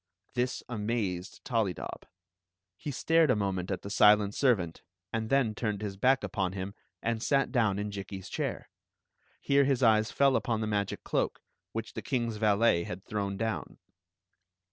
This amazed Tollydob. He stared a moment at the silent servant, and then turned his back upon h.m and sat down in Jikki's chair. Here his eyes fcU upon the magic cloak, which the kings valet had thrown down.